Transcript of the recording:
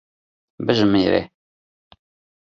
Bijimêre.